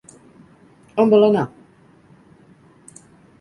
On vol anar?